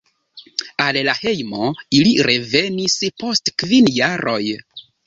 Al la hejmo ili revenis post kvin jaroj.